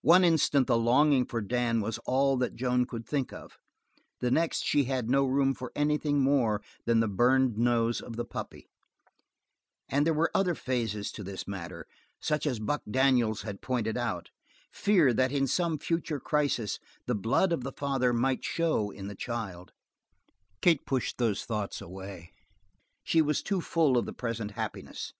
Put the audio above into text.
One instant the longing for Dan was all that Joan could think of; the next she had no room for anything more than the burned nose of the puppy if there were other phases to this matter such as Buck Daniels had pointed out fear that in some future crisis the blood of the father might show in the child, Kate pushed such thoughts away. She was too full of the present happiness.